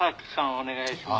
お願いします。